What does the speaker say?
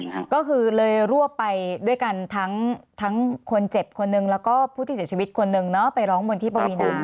ค่ะก็คือเลยรวบไปด้วยกันทั้งทั้งคนเจ็บคนหนึ่งแล้วก็ผู้ที่เสียชีวิตคนหนึ่งเนอะไปร้องบนที่ปวีนา